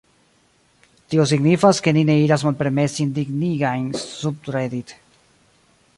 Tio signifas ke ni ne iras malpermesi indignigajn subredit.